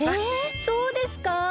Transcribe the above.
えそうですか？